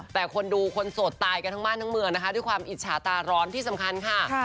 แต่คนดูคนโสดตายกันทั้งบ้านทั้งเมืองนะคะด้วยความอิจฉาตาร้อนที่สำคัญค่ะ